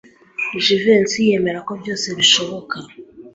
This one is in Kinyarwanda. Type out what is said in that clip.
Jivency yemera ko byose bishoboka.